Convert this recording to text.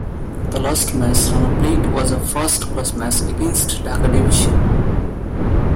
The last match Rana played was a first-class match against Dhaka Division.